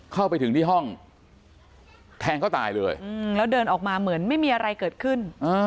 เข้าไปถึงที่ห้องแทงเขาตายเลยแล้วเดินออกมาเหมือนไม่มีอะไรเกิดขึ้น